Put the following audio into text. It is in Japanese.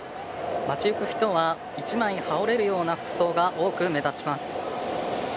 街ゆく人が１枚羽織れるような服装が多く目立ちます。